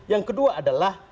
yang kedua adalah